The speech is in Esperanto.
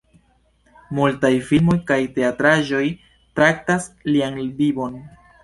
Multaj filmoj kaj teatraĵoj traktas lian vivon.